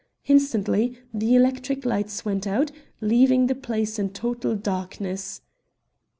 Instantly the electric lights went out, leaving the place in total darkness.